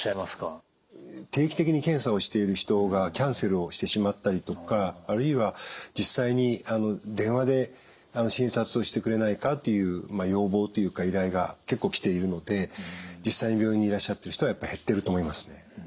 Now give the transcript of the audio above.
定期的に検査をしている人がキャンセルをしてしまったりとかあるいは実際に電話で診察をしてくれないかというまあ要望というか依頼が結構来ているので実際に病院にいらっしゃってる人はやっぱ減ってると思いますね。